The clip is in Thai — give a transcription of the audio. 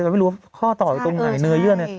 แต่ไม่รู้ว่าข้อต่ออยู่ตรงไหนเนื้อเยื่อน